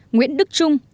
nguyễn đức trung